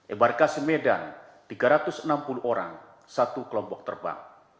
ebarkasi medan tiga ratus enam puluh orang satu kelompok terbang